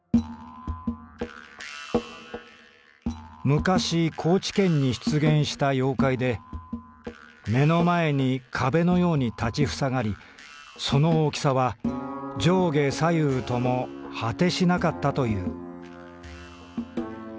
「昔高知県に出現した妖怪で目の前に壁のように立ちふさがりその大きさは上下左右とも果てしなかったという」。